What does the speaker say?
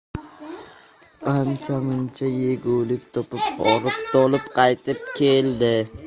Ancha-muncha yegulik topib, horib-tolib qaytib keldi.